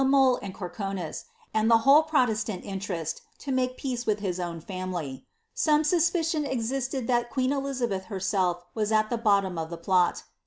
Mule and Corronna: whole protesiant interest, to make peace with his own fami suspicion existed that queen Elizabeth herself was at the boti plot.